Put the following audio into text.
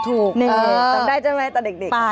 จำได้ใช่ไหมตอนเด็ก